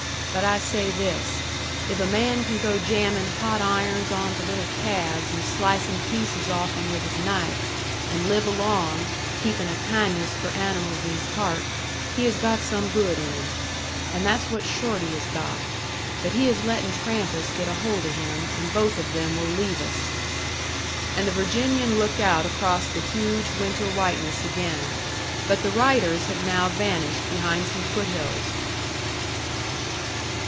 But I say this. If a man can go jammin' hot irons on to little calves and slicin' pieces off 'em with his knife, and live along, keepin' a kindness for animals in his heart, he has got some good in him. And that's what Shorty has got. But he is lettin' Trampas get a hold of him, and both of them will leave us." And the Virginian looked out across the huge winter whiteness again. But the riders had now vanished behind some foot hills.